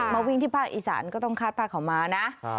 มาวิ่งที่ภาคอีสานก็ต้องคาดผ้าขาวม้านะ